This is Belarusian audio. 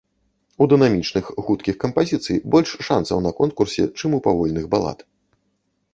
У дынамічных, хуткіх кампазіцый больш шанцаў на конкурсе, чым у павольных балад.